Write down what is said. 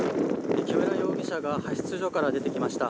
木村容疑者が派出所から出てきました。